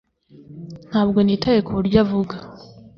ntabwo nitaye kuburyo avuga